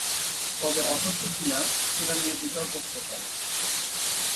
তবে অসত্য কি না, সেটা নিয়ে বিতর্ক হতে পারে।